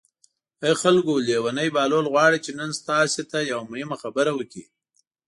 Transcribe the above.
ای خلکو لېونی بهلول غواړي چې نن تاسو ته یوه مهمه خبره وکړي.